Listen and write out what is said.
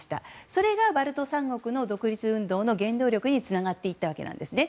それがバルト三国の独立運動の原動力につながっていったわけです。